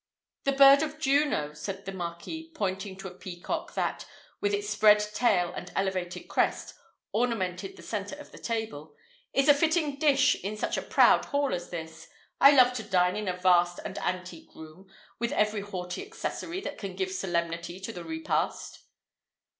"The bird of Juno," said the Marquis, pointing to a peacock that, with its spread tail and elevated crest, ornamented the centre of the table, "is a fitting dish in such a proud hall as this. I love to dine in a vast and antique room, with every haughty accessory that can give solemnity to the repast."